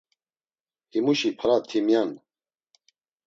Himuşi para timya’n.